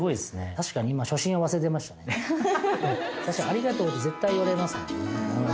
確かに今「ありがとう」って絶対言われますもんね